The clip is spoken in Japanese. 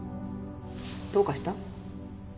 どうかした？